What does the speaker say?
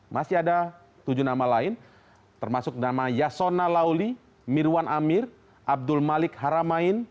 masih ada tujuh nama lain termasuk nama yasona lauli mirwan amir abdul malik haramain